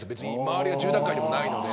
周りが住宅街でもないので。